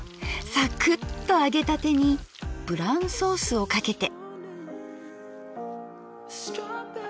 サクッと揚げたてにブランソースをかけて。